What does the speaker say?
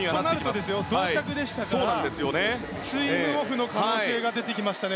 同着でしたからスイムオフの可能性が出てきましたね。